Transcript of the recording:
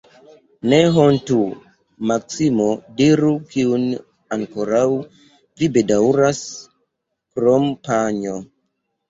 Ne hontu, Maksimo, diru, kiun ankoraŭ vi bedaŭras, krom panjo?